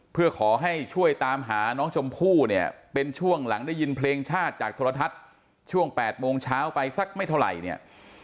เพื่อขอให้ช่วยตามหาน้องชมพู่เนี่ยเป็นช่วงหลังได้ยินเพลงชาติจากโทรทัศน์ช่วง๘โมงเช้าไปสักไม่เท่าไหร่เนี่ย